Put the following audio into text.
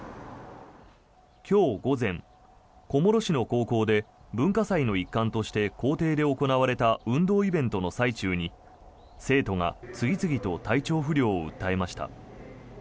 今日午前、小諸市の高校で文化祭の一環として校庭で行われた運動イベントの最中に生徒が次々と体調不良を訴えました。